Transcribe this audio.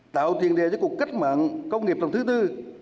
tạo thiền đề cho cuộc cách mạng công nghiệp tầng thứ tư